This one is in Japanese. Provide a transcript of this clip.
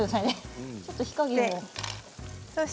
ちょっと火加減を。